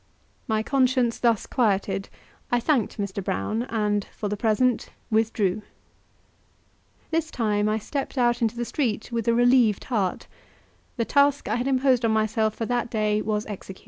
My conscience thus quieted, I thanked Mr. Brown, and, for the present, withdrew. This time I stepped out into the street with a relieved heart; the task I had imposed on myself for that day was executed.